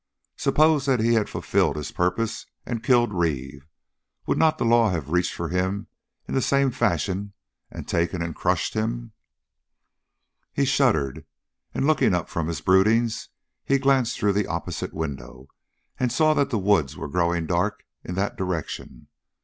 Suppose that he had fulfilled his purpose and killed Reeve? Would not the law have reached for him in the same fashion and taken and crushed him? He shuddered, and looking up from his broodings, he glanced through the opposite window and saw that the woods were growing dark in that direction.